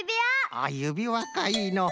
あゆびわかいいのう。